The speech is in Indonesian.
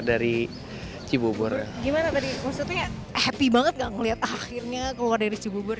dari cibubur gimana tadi maksudnya happy banget gak ngeliat akhirnya keluar dari cibubur